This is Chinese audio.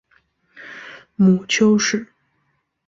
母丘氏。